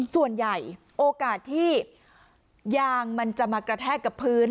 ส่วนใหญ่โอกาสที่ยางมันจะมากระแทกกับพื้น